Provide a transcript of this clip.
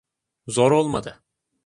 Zor olmadı.